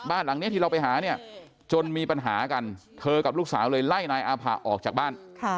บ้านหลังนี้ที่เราไปหาเนี่ยจนมีปัญหากันเธอกับลูกสาวเลยไล่นายอาผะออกจากบ้าน